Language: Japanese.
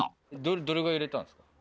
どれぐらい入れたんすか？